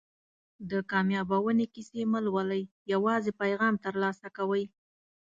د کامیابیونې کیسې مه لولئ یوازې پیغام ترلاسه کوئ.